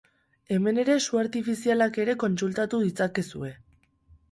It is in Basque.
Hemen ere su artifizialak ere kontsultatu ditzakezue.